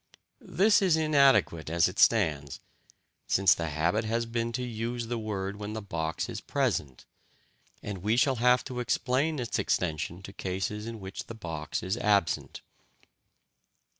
'" This is inadequate as it stands, since the habit has been to use the word when the box is present, and we have to explain its extension to cases in which the box is absent.